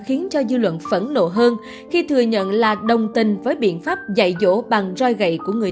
khiến cho dư luận phẫn nộ hơn khi thừa nhận là đồng tình với biện pháp dạy dỗ bằng roi gậy của người